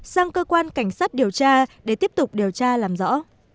sang cơ quan cảnh sát điều tra để tiếp tục điều tra làm rõ